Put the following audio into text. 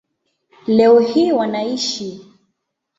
Leo hii wanaishi